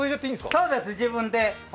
そうです、自分で。